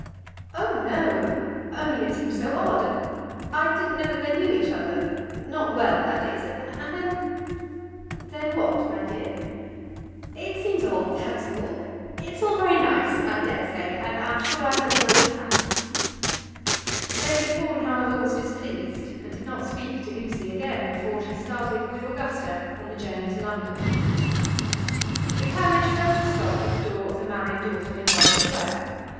"Oh, no; only it seems so odd. I didn't know that they knew each other; not well, that is. And then " "Then what, my dear?" "It seems odd; that's all. It's all very nice, I dare say, and I'm sure I hope they will be happy." Lady Fawn, however, was displeased, and did not speak to Lucy again before she started with Augusta on the journey to London. The carriage first stopped at the door of the married daughter in Warwick Square.